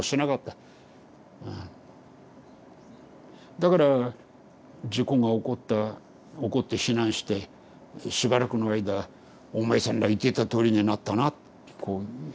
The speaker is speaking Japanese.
だから事故が起こった起こって避難してしばらくの間「お前さんら言ってたとおりになったな」ってこう。